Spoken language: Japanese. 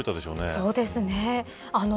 そうですね。